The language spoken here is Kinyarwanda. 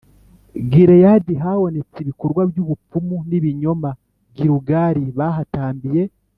Gileyadi habonetse ibikorwa by ubupfumu n ibinyoma Gilugali bahatambiye